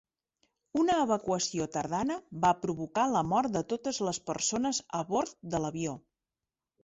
Una evacuació tardana va provocar la mort de totes les persones a bord de l'avió.